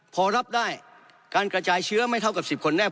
พอรับได้การกระจายเชื้อไม่เท่ากับ๑๐คนแรก